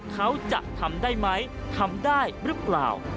เขาจะทำได้ไหมทำได้หรือเปล่า